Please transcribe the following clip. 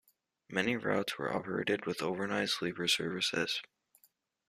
Many routes were operated with overnight sleeper services.